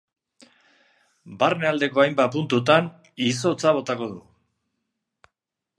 Barnealdeko hainbat puntutan izotza botako du.